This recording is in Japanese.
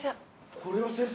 これは先生！